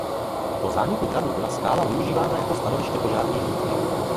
Po zániku hradu byla skála využívána jako stanoviště požární hlídky.